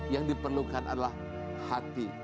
yang diperlukan adalah hati